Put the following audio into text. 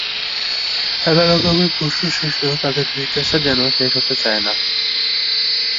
নানা রকমের প্রশ্ন শেষেও তাঁদের জিজ্ঞাসা যেন শেষ হতে চায় না।